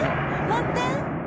待って！